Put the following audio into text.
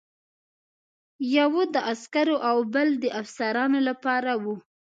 یوه د عسکرو او بله د افسرانو لپاره وه.